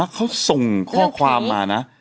เขาส่งข้อความมานะ